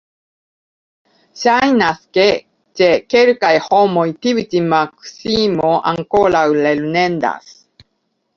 Ŝajnas, ke ĉe kelkaj homoj tiu ĉi maksimo ankoraŭ lernendas.